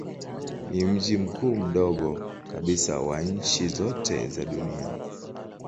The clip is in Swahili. Ni mji mkuu mdogo kabisa wa nchi zote za dunia.